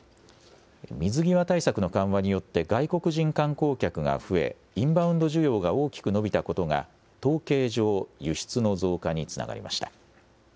水際対策の緩和によって、外国人観光客が増え、インバウンド需要が大きく伸びたことが、統計上、輸出の増加につながりました。